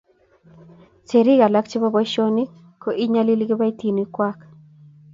serik alak chebo boisionik ko inyalili kiboitinikwak.